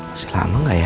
masih lama gak ya